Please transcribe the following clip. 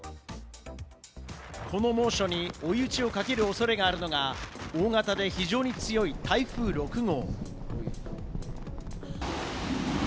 この猛暑に追い打ちをかける恐れがあるのが大型で非常に強い台風６号。